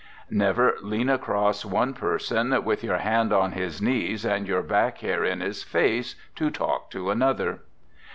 Never lean across one person with your hands on his knees and your back hair in his face, to talk to another.